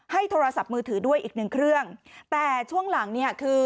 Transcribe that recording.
โทรศัพท์มือถือด้วยอีกหนึ่งเครื่องแต่ช่วงหลังเนี่ยคือ